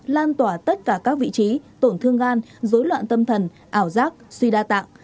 lan tỏa tất cả các vị trí tổn thương gan dối loạn tâm thần ảo giác suy đa tạng